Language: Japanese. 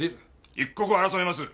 一刻を争います。